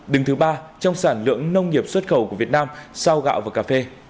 đứng thứ ba trong sản lượng nông nghiệp xuất khẩu của việt nam sau gạo và cà phê